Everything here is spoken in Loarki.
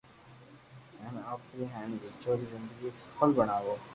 ھين آپري ھين ٻچو ري زندگي سفل بڻاوُ